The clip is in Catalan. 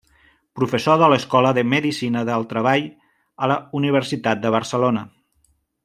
Professor de l'Escola de Medicina del Treball, a la Universitat de Barcelona.